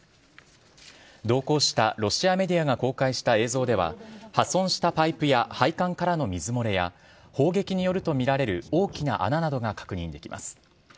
同行したロシアメディアが公開した映像では破損したパイプや配管からの水漏れや砲撃によるとみられる大きな穴などか確認できます。